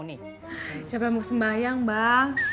siapa yang mau sembahyang bang